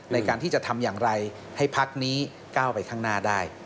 ในการที่จะทำอย่างไรให้พักนี้ก้าวไปข้างหน้าได้